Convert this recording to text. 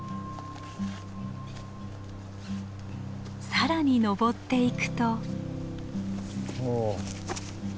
更に登っていくと。